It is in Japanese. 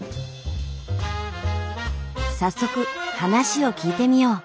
早速話を聞いてみよう。